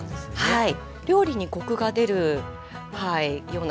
はい。